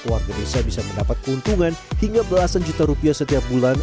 warga desa bisa mendapat keuntungan hingga belasan juta rupiah setiap bulan